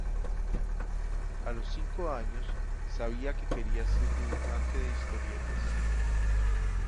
A los cinco años, sabía que quería ser dibujante de historietas.